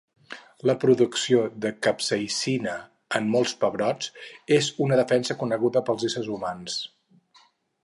La producció de capsaïcina en molts pebrots és una defensa coneguda pels éssers humans.